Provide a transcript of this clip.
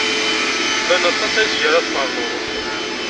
Llan aṭas ayseg ara tferned.